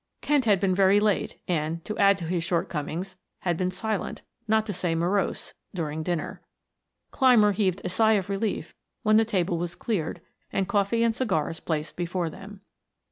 Kent had been very late and, to add to his short comings, had been silent, not to say morose, during dinner. Clymer heaved a sigh of relief when the table was cleared and coffee and cigars placed before them.